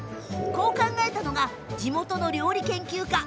こう考えたのが地元の料理研究家